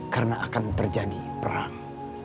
karena akan terjadi perang